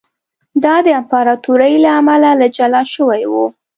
دا د امپراتورۍ له امله له جلا شوی و